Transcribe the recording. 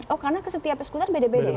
oh karena setiap skuter beda beda ya